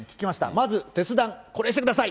まず切断、これしてください。